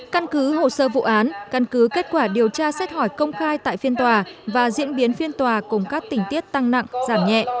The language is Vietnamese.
căn cứ hồ sơ vụ án căn cứ kết quả điều tra xét hỏi công khai tại phiên tòa và diễn biến phiên tòa cùng các tình tiết tăng nặng giảm nhẹ